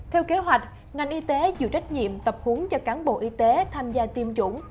theo kế hoạch ngành y tế chịu trách nhiệm tập hướng cho cán bộ y tế tham gia tiêm chủng